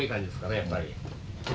やっぱり。